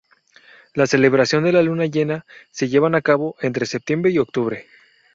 La celebración de la luna llena, se llevan a cabo entre septiembre y octubre.